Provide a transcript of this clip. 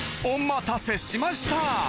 お待たせしました